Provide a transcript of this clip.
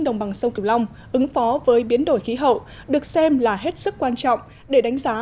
đồng bằng sông kiều long ứng phó với biến đổi khí hậu được xem là hết sức quan trọng để đánh giá